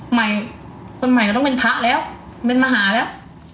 ใหม่คนใหม่ก็ต้องเป็นพระแล้วเป็นมหาแล้ว